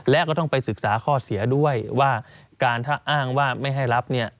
และก็ต้องไปศึกษาข้อเสียด้วยว่าการถ้าอ้างว่าไม่ให้รับเนี่ย